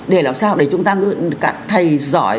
để làm sao để chúng ta thầy giỏi